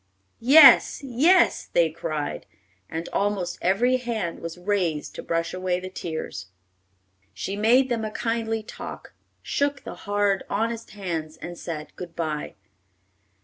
"Yes, yes!" they cried, and almost every hand was raised to brush away the tears. She made them a kindly talk, shook the hard, honest hands, and said good bye.